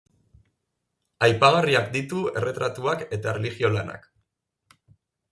Aipagarriak ditu erretratuak eta erlijio-lanak.